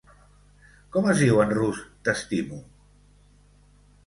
Com es diu en rus 't'estimo'?